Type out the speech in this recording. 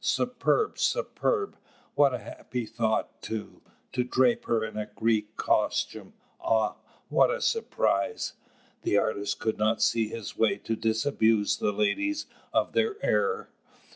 Superb, superb! What a happy thought, too, to drape her in a Greek costume! Ah, what a surprise!" The artist could not see his way to disabuse the ladies of their error.